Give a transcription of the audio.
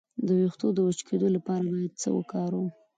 د ویښتو د وچ کیدو لپاره باید څه وکاروم؟